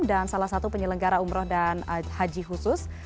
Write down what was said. dan salah satu penyelenggara umroh dan haji khusus